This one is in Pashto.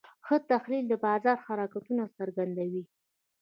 ښه تحلیل د بازار حرکتونه څرګندوي.